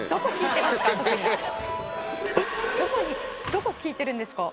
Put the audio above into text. どこ効いてるんですか？